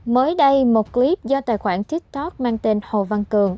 mới đây một clip do tài khoản tiktok mang tên hồ văn cường